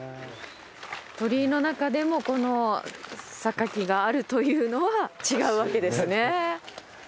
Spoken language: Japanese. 鳥居の中でもこの榊があるというのは違うわけですね。